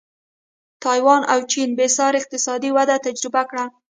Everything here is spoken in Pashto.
تایوان او چین بېسارې اقتصادي وده تجربه کړه.